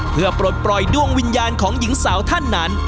เพื่อปลดปล่อยดวงวิญญาณของหญิงสาวท่านนั้น